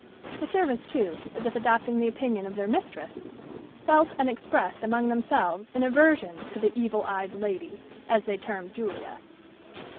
The servants, too, as if adopting the opinion of their mistress, felt and expressed among themselves an aversion to the "evil eyed lady," as they termed Julia.